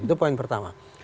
itu poin pertama